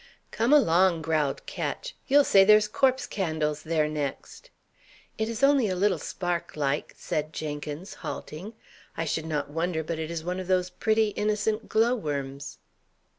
"Come along!" growled Ketch. "You'll say there's corpse candles there next." "It is only a little spark, like," said Jenkins, halting. "I should not wonder but it is one of those pretty, innocent glowworms."